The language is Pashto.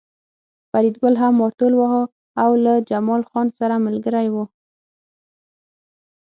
فریدګل هم مارتول واهه او له جمال خان سره ملګری و